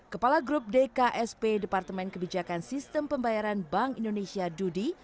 kepala grup dksp departemen kebijakan sistem pembayaran bank indonesia dudi